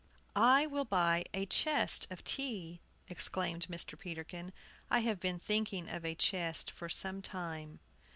"I will buy a chest of tea," exclaimed Mr. Peterkin. "I have been thinking of a chest for some time."